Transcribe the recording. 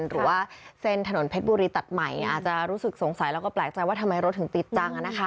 หรือว่าเส้นถนนเพชรบุรีตัดใหม่อาจจะรู้สึกสงสัยแล้วก็แปลกใจว่าทำไมรถถึงติดจัง